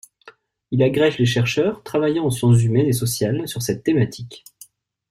Il agrège les chercheurs travaillant en sciences humaines et sociales sur cette thématique.